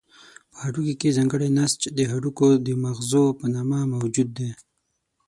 په هډوکو کې ځانګړی نسج د هډوکو د مغزو په نامه موجود دی.